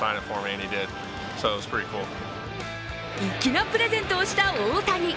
粋なプレゼントをした大谷。